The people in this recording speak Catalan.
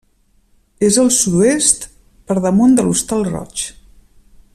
És al sud-oest, per damunt, de l'Hostal Roig.